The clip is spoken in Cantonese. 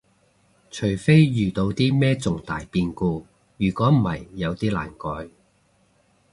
除非遇到啲咩重大變故，如果唔係有啲難改